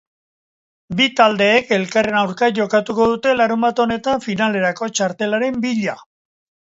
Bi taldeek elkarren aurka jokatuko dute larunbat honetan finalerako txartelaren bila.